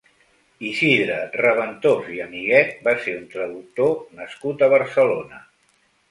Isidre Reventós i Amiguet va ser un traductor nascut a Barcelona.